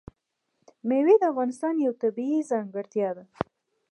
مېوې د افغانستان یوه طبیعي ځانګړتیا ده.